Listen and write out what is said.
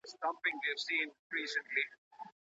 ژورنالیزم پوهنځۍ په ناسمه توګه نه رهبري کیږي.